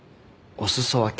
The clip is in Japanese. お裾分け。